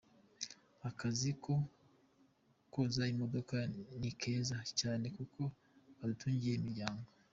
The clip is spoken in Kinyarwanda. Akazi ko kwoza imodoka ni keza cyane kuko kadutungiye imiryango.